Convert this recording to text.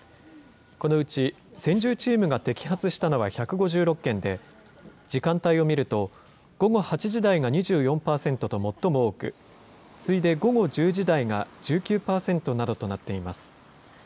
このうち専従チームが摘発したのは１５６件で、時間帯を見ると、午後８時台が２４％と最も多く、次いで午後１０時台が１９％などとなっています。